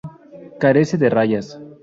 Carece de rayas.